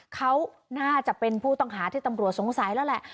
เขาน่าจะเป็นผู้ต้องหาที่ตำรวจสงสัยแล้วแหละ